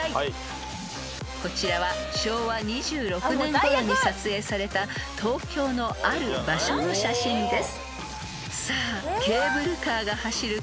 ［こちらは昭和２６年ごろに撮影された東京のある場所の写真です］